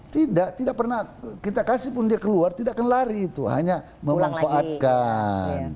tidak tidak pernah kita kasih pun dia keluar tidak akan lari itu hanya memanfaatkan